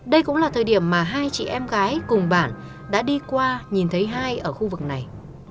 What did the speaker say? đây cũng là thời điểm mà hai chị em gái cùng bản đã đi qua nhìn thấy hai ở khu vực này